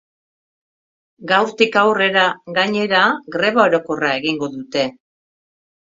Gaurtik aurrera, gainera, greba orokorra egingo dute.